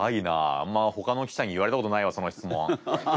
あんまほかの記者に言われたことないわその質問。